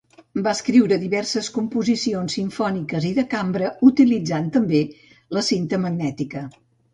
Va escriure diverses composicions simfòniques i de cambra, utilitzant també la cinta magnètica.